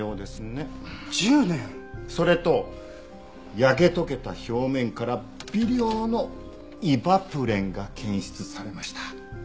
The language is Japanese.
それと焼け溶けた表面から微量のイバプレンが検出されました。